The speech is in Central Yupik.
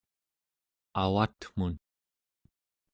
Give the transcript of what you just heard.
avatmun